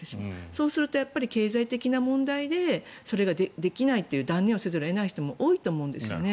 そうすると、経済的な問題でそれができないという断念をせざるを得ない人も多いと思うんですよね。